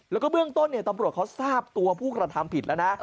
แล้วก็เบื้องต้นตำรวจเขาทราบตัวผู้กระทำผิดแล้วนะ